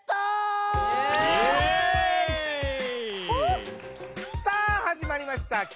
ホ！さあはじまりました。